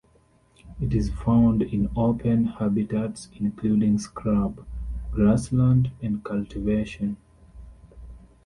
It is found in open habitats including scrub, grassland and cultivation.